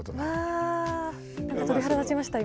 わ何か鳥肌立ちました今。